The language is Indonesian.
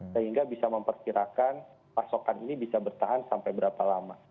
sehingga bisa memperkirakan pasokan ini bisa bertahan sampai berapa lama